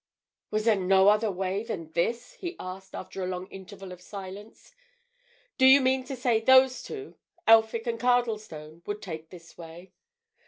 "Was there no other way than this?" he asked after a long interval of silence. "Do you mean to say those two—Elphick and Cardlestone—would take this way?"